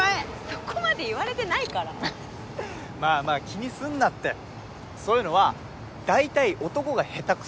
そこまで言われてないからまぁまぁ気にすんなってそういうのは大体男が下手くそなんだよ